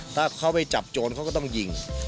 ถ้าเขาไปจับโจรเขาก็ต้องยิง